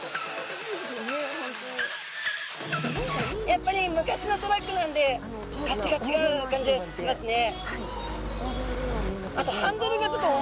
やっぱり昔のトラックなんで勝手が違う感じがしますね。